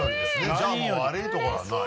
じゃあもう悪いところはない。